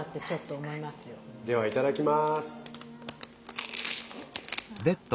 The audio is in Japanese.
ではいただきます。